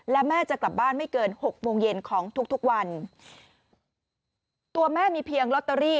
และแม่จะกลับบ้านไม่เกินหกโมงเย็นของทุกทุกวันตัวแม่มีเพียงลอตเตอรี่